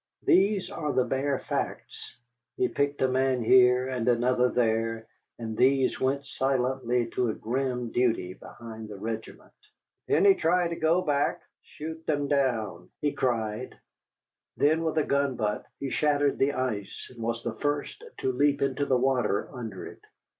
These are the bare facts. He picked a man here, and another there, and these went silently to a grim duty behind the regiment. "If any try to go back, shoot them down!" he cried. Then with a gun butt he shattered the ice and was the first to leap into the water under it.